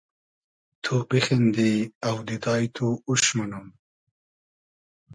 تو بیخیندی اۆدیدای تو اوش مونوم